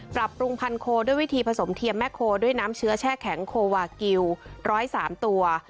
ปรับปรุงพันโคด้วยวิธีผสมเทียมแม่โคด้วยน้ำเชื้อแช่แข็งโควากิล๑๐๓ตัว